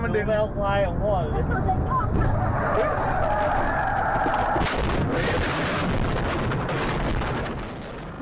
เราไปเอาควายของพ่อหนู